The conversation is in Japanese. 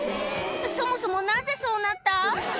そもそもなぜそうなった？